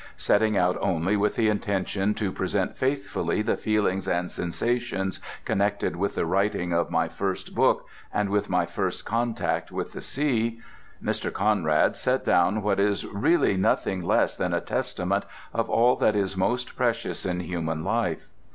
Setting out only with the intention to "present faithfully the feelings and sensations connected with the writing of my first book and with my first contact with the sea," Mr. Conrad set down what is really nothing less than a Testament of all that is most precious in human life.